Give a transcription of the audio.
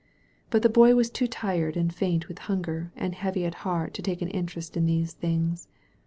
But the Boy was too tired and faint with hunger and heavy at heart to take an interest in these things.